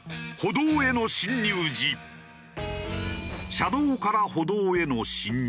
車道から歩道への進入。